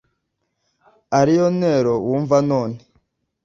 ariyo ntero wumva none